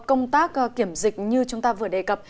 ngoài lỗ hổng trong công tác kiểm dịch như chúng ta vừa đề cập